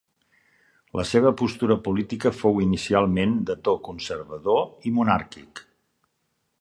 La seva postura política fou inicialment de to conservador i monàrquic.